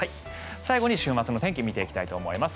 最後に週末の天気を見ていきたいと思います。